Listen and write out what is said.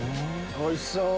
おいしそう！